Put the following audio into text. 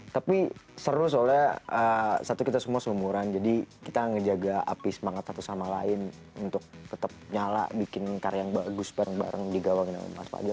tapi seru soalnya satu kita semua seumuran jadi kita ngejaga api semangat satu sama lain untuk tetap nyala bikin karya yang bagus bareng bareng digawangin sama mas fajar